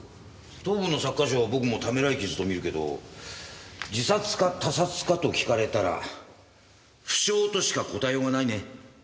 頭部の擦過傷は僕もためらい傷とみるけど自殺か他殺かと聞かれたら不詳としか答えようがないね。